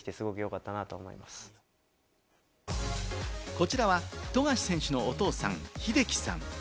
こちらは、富樫選手のお父さん・英樹さん。